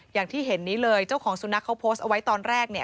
อย่างที่เห็นนี้เลยเจ้าของสุนัขเขาโพสต์เอาไว้ตอนแรกเนี่ย